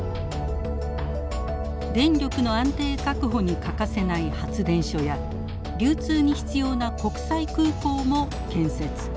電力の安定確保に欠かせない発電所や流通に必要な国際空港も建設。